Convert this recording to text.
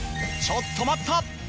ちょっと待った！